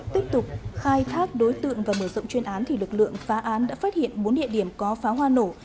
tiếp tục khai thác đối tượng và mở rộng chuyên án thì lực lượng phá án đã phát hiện bốn địa điểm có pháo hoa nổ